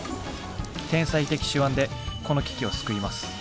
天才的手腕でこの危機を救います。